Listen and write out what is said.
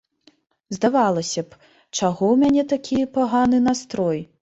Здавалася б, чаго ў мяне такія паганы настрой?